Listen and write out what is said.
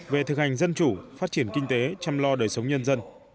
về thực hành dân chủ phát triển kinh tế chăm lo đời sống nhân dân